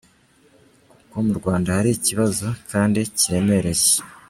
kuko murwanda hari ikibazo kandi kiremereye.